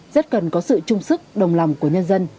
rất cần có sự trung sức đồng lòng của nhân dân